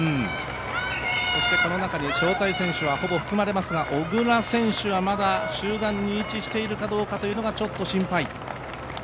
この中に招待選手はほぼ含まれますが小椋選手はまだ集団に位置しているかどうかというのがちょっと心配。